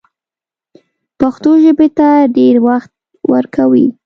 پښتو ژبې ته ډېر وخت ورکوي